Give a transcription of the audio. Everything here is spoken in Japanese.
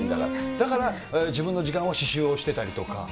だから、自分の時間を刺しゅうをしてたりとか。